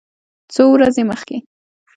څو ورځې مخکې